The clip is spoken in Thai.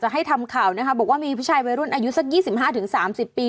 จะให้ทำข่าวนะคะบอกว่ามีผู้ชายร่วมอายุสักยี่สิบห้าถึงสามสิบปี